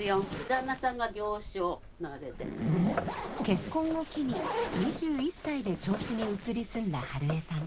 結婚を機に２１歳で銚子に移り住んだ春江さん。